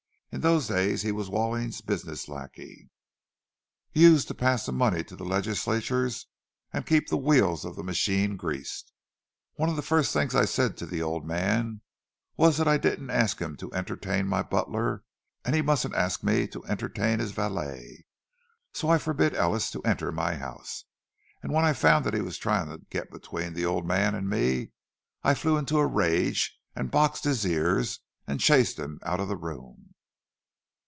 "In those days he was Walling's business lackey—used to pass the money to the legislators and keep the wheels of the machine greased. One of the first things I said to the old man was that I didn't ask him to entertain my butler, and he mustn't ask me to entertain his valet—and so I forbid Ellis to enter my house. And when I found that he was trying to get between the old man and me, I flew into a rage and boxed his ears and chased him out of the room!"